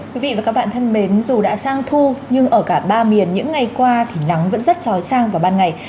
quý vị và các bạn thân mến dù đã sang thu nhưng ở cả ba miền những ngày qua thì nắng vẫn rất trói trang vào ban ngày